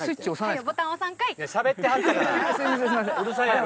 はい。